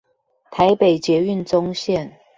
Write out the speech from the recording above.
台北捷運棕線